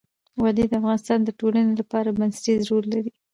وادي د افغانستان د ټولنې لپاره بنسټيز رول لري.